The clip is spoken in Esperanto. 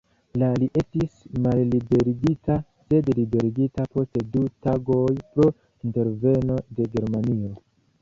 La li estis malliberigita, sed liberigita post du tagoj pro interveno de Germanio.